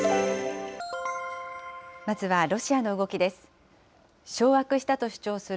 まずはロシアの動きです。